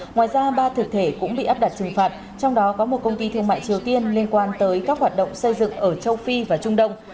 ngoài ra ba thực thể cũng bị áp đặt trừng phạt trong đó có một công ty thương mại triều tiên liên quan tới các hoạt động xây dựng ở châu phi và trung đông